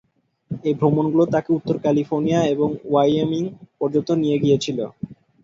এই ভ্রমণগুলো তাকে উত্তর ক্যালিফোর্নিয়া এবং ওয়াইয়োমিং পর্যন্ত নিয়ে গিয়েছিল।